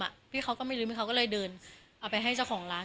พี่เขาก็ไม่รู้มีเขาก็เลยเดินเอาไปให้เจ้าของร้าน